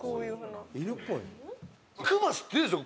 クマ知ってるでしょ。